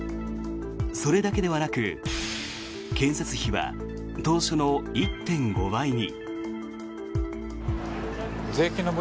それだけではなく建設費は当初の１．５倍に。